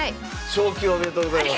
昇級おめでとうございます。